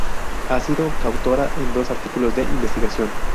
Ha sido coautora en dos artículos de investigación.